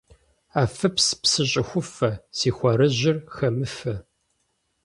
Афыпс, псы щӏыхуфэ, си хуарэжьыр хэмыфэ.